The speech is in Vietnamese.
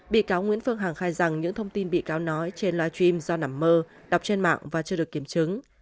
bị cáo nguyễn phương hằng khai rằng những thông tin bị cáo nói trên live stream do nằm mơ đọc trên mạng và chưa được kiểm chứng